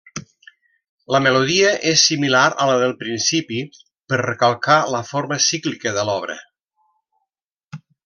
La melodia és similar a la del principi, per recalcar la forma cíclica de l'obra.